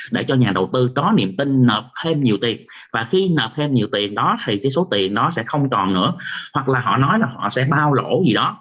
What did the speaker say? để cho nhà đầu tư có niềm tin nợp thêm nhiều tiền và khi nợp thêm nhiều tiền đó thì cái số tiền nó sẽ không còn nữa hoặc là họ nói là họ sẽ bao lỗ gì đó